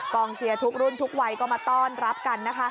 เชียร์ทุกรุ่นทุกวัยก็มาต้อนรับกันนะคะ